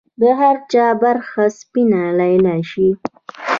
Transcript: د هر چا برخه سپینه لیلا شي